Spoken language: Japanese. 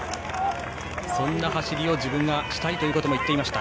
そんな走りを自分がしたいとも言っていました。